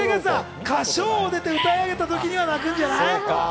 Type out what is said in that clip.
『歌唱王』で歌い上げた時には泣くんじゃない？